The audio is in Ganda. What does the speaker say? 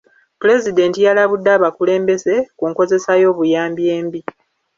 Pulezidenti yalabudde abakulembeze ku nkozesa y'obuyambi embi.